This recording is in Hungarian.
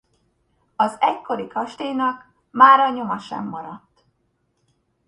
Az egykori kastélynak mára nyoma sem maradt.